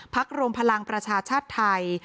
ภักดิ์โรมพลังประชาชาติไทย